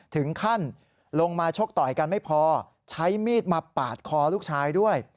ถึงขั้นลงมาชกต่อยกันไม่พอใช้มีดมาปาดคอลูกชายด้วย